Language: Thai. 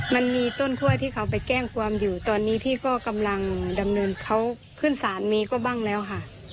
มันมีต้นกล้วยที่เขาไปแจ้งความอยู่ตอนนี้พี่ก็กำลังดำเนินเขาขึ้นสารมีก็บ้างแล้วค่ะ